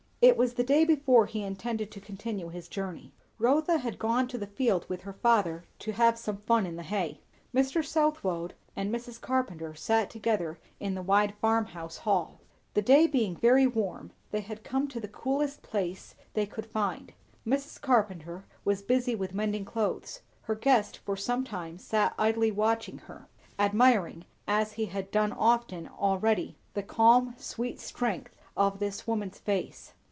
It was the day before he intended to continue his journey. Rotha had gone to the field with her father, to have some fun in the hay; Mr. Southwode and Mrs. Carpenter sat together in the wide farmhouse hall. The day being very warm, they had come to the coolest place they could find. Mrs. Carpenter was busy with mending clothes; her guest for some time sat idly watching her; admiring, as he had done often already, the calm, sweet strength of this woman's face.